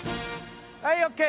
はいオッケー！